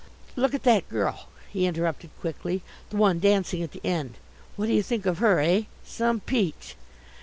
"Look at that girl," he interrupted quickly, "the one dancing at the end. What do you think of her, eh? Some peach!"